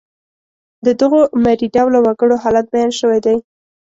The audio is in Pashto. د دغو مري ډوله وګړو حالت بیان شوی دی.